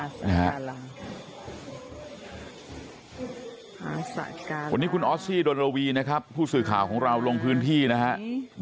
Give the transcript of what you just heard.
วันนี้คุณออสซี่ดนรวีนะครับผู้สื่อข่าวของเราลงพื้นที่นะครับ